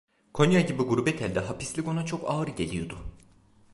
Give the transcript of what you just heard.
Konya gibi gurbet elde hapislik ona çok ağır geliyordu.